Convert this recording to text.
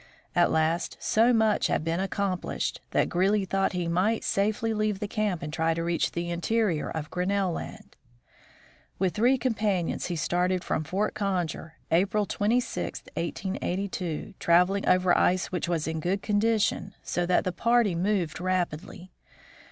At last so much had been accomplished that Greely thought he might safely leave the camp and try to reach the interior of Grinnell land. With three companions he started from Fort Conger, April 26, 1882, traveling over ice which was in good con dition, so that the party moved rapidly.